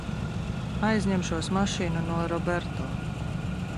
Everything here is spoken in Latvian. Aizņemšos mašīnu no Roberto.